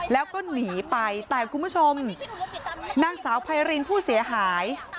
แล้วก็หนีไปแต่คุณผู้ชมนางสาวไพรินผู้เสียหาย